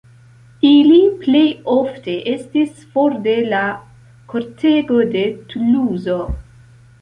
Ili plej ofte estis for de la kortego de Tuluzo.